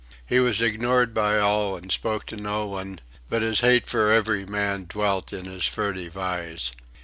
He was ignored by all and spoke to no one, but his hate for every man dwelt in his furtive eyes.